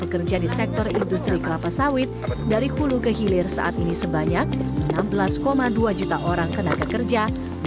sejak pekerja di sektor industri kelapa sawit dari puluh kehilir saat ini sebanyak enam belas dua juta orang kena bekerja